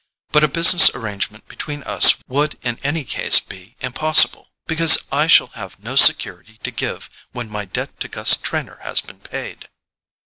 But a business arrangement between us would in any case be impossible, because I shall have no security to give when my debt to Gus Trenor has been paid."